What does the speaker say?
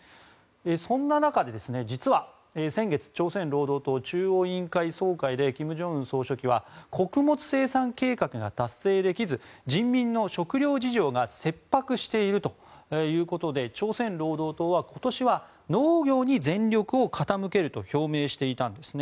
そんな中、実は先月朝鮮労働党中央委員会総会で金正恩総書記は穀物生産計画が達成できず人民の食糧事情が切迫しているということで朝鮮労働党は今年は農業に全力を傾けると表明していたんですね。